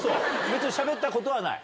別にしゃべったことはない？